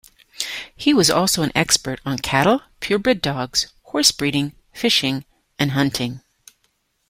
He was also an expert on cattle, purebred dogs, horse breeding, fishing and hunting.